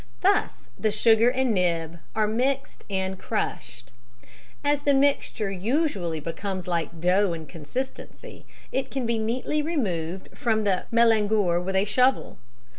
Thus the sugar and nib are mixed and crushed. As the mixture usually becomes like dough in consistency, it can be neatly removed from the mélangeur with a shovel.